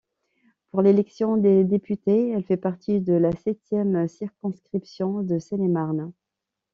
Pour l'élection des députés, elle fait partie de la septième circonscription de Seine-et-Marne.